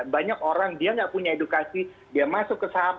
banyak orang dia nggak punya edukasi dia masuk ke saham